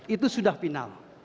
itu sudah final